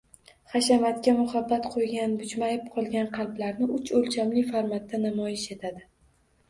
Hashamatga muhabbat qo‘ygan, bujmayib qolgan qalblarini uch o‘lchamli formatda namoyish etadi.